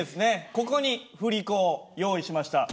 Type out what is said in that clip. ここに振り子を用意しました。